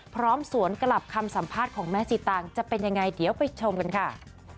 สวนกลับคำสัมภาษณ์ของแม่สีตางจะเป็นยังไงเดี๋ยวไปชมกันค่ะ